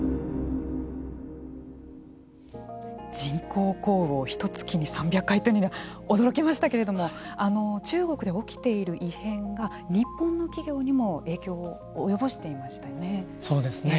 人工降雨をひと月に３００回というのは驚きましたけども中国で起きている異変が日本の企業にも影響を及ぼしていましたよね。